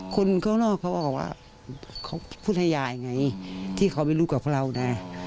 คนข้างนอกเขาก็บอกว่าเขาพุทธยายไงที่เขาไม่รู้กับพวกเรานะ